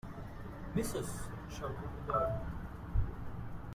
‘Missus!’ shouted the boy.